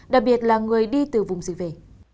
đặc biệt là người đi từ vùng dịch về